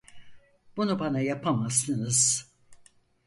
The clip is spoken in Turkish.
Bunu bana yapamazsınız.